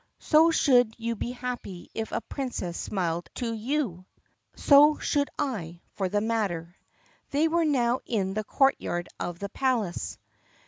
So should you be happy if a Prin cess smiled to you. So should I, for that matter. They were now in the courtyard of the palace.